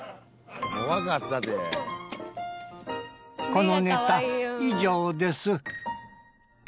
このネタ以上です